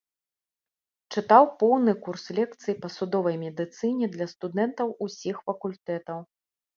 Чытаў поўны курс лекцый па судовай медыцыне для студэнтаў усіх факультэтаў.